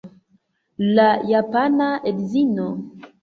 La japana edzino.